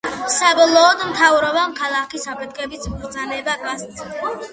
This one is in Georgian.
საბოლოოდ მთავრობამ ქალაქის აფეთქების ბრძანება გასცა.